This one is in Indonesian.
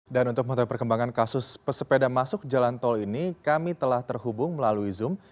untuk mengetahui perkembangan kasus pesepeda masuk jalan tol ini kami telah terhubung melalui zoom